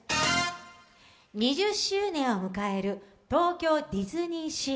２０周年を迎える東京ディズニーシー